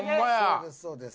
そうですそうです。